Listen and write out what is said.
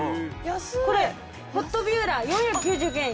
これホットビューラー４９９円。